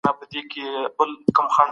کوم هیواد غواړي بحران نور هم پراخ کړي؟